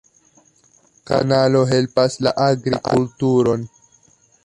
Kanalo helpas la agrikulturon.